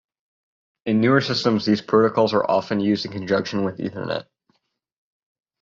In newer systems, these protocols are often used in conjunction with ethernet.